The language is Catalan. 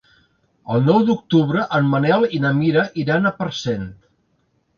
El nou d'octubre en Manel i na Mira iran a Parcent.